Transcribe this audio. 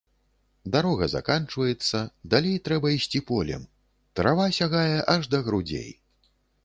Дарога заканчваецца, далей трэба ісці полем, трава сягае аж да грудзей.